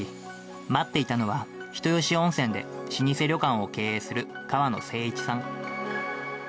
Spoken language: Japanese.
待っていたのは、人吉温泉で老舗旅館を経営する川野精一さん。